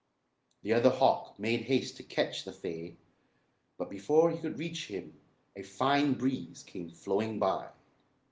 The other hawk made haste to catch the fay but before he could reach him a fine breeze came blowing by.